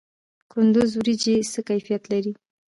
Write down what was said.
د کندز وریجې څه کیفیت لري؟